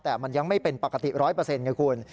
แต่มันยังไม่เป็นปกติร้อยเปอร์เซ็นต์ไงคุณ